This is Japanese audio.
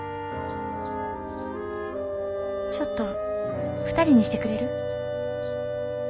ちょっと２人にしてくれる？